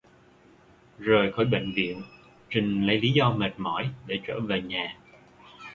Rời khỏi bệnh viện trinh lấy lý do mệt mỏi để trở về nhà